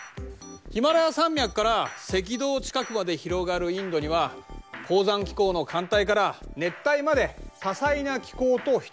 ヒマラヤ山脈から赤道近くまで広がるインドには高山気候の寒帯から熱帯まで多彩な気候と人々の生活があるんだ。